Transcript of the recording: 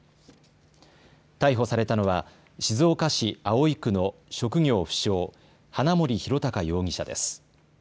逮捕されたのは静岡市葵区の職業不詳、花森弘卓容疑者です。